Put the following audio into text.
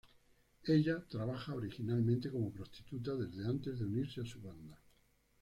Ella trabaja originalmente como prostituta desde antes de unirse a su banda.